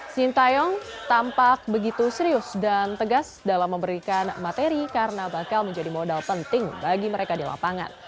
sintayong tampak begitu serius dan tegas dalam memberikan materi karena bakal menjadi modal penting bagi mereka di lapangan